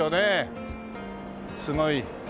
すごい。